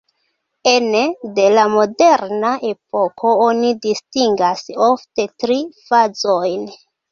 Ene de la moderna epoko oni distingas ofte tri fazojn.